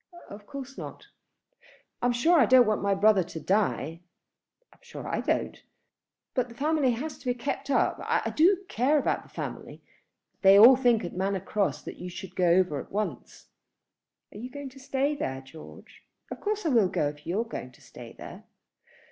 "Of course not." "I'm sure I don't want my brother to die." "I am sure I don't." "But the family has to be kept up. I do care about the family. They all think at Manor Cross that you should go over at once." "Are you going to stay there, George. Of course I will go if you are going to stay there."